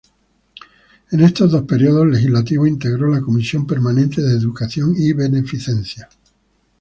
En estos dos períodos legislativos integró la Comisión permanente de Educación y Beneficencia.